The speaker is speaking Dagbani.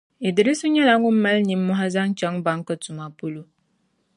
Iddrisu nyɛla ŋun mali nimmɔhi zaŋ chaŋ banki tuma polo.